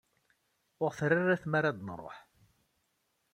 Ur aɣ-terri ara tmara ad nruḥ.